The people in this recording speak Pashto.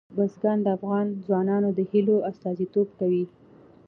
بزګان د افغان ځوانانو د هیلو استازیتوب کوي.